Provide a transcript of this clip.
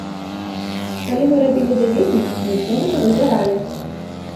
Калі мы рабілі даведнік, мы ўсё гэта вывяралі.